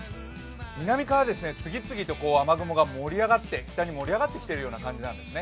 南から次々と雨雲が北に盛り上がってきてるような感じなんです。